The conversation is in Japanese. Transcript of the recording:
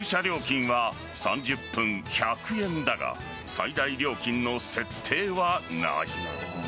施設内の駐車料金は３０分１００円だが最大料金の設定はない。